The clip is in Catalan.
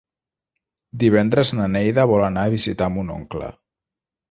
Divendres na Neida vol anar a visitar mon oncle.